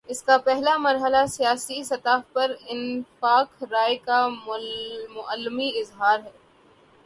اس کا پہلا مرحلہ سیاسی سطح پر اتفاق رائے کا عملی اظہار ہے۔